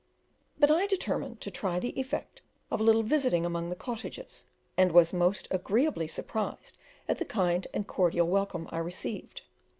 But I determined to try the effect of a little visiting among the cottages, and was most agreeably surprised at the kind and cordial welcome I received.